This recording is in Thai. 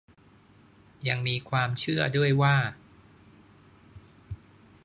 ยังมีความเชื่อด้วยว่า